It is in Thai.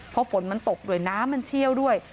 เพราะฝนมันตกด้วยน้ำมันเชี่ยวด้วย